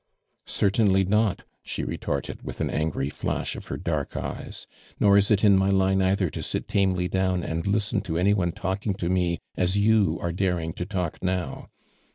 "Certainly not," she retorted, with an angry flash of her dark eyes. " Nor is it in my lino either to sit tamely down and listen to any one talking to me as you are daring to talk now.